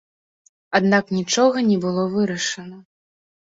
Аднак нічога не было вырашана.